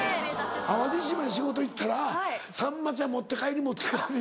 淡路島に仕事行ったら「さんまちゃん持って帰り持って帰り」